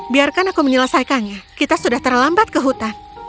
biarkan aku menyelesaikannya kita sudah terlambat ke hutan